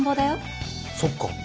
そっか。